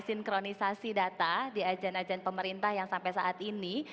sinkronisasi data di ajang ajan pemerintah yang sampai saat ini